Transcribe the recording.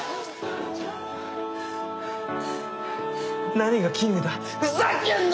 何がキングだ。